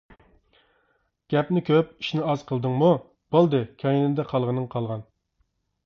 گەپنى كۆپ، ئىشنى ئاز قىلدىڭمۇ، بولدى كەينىدە قالغىنىڭ قالغان.